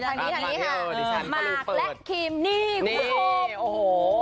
มาร์คและคิมนี่ครบ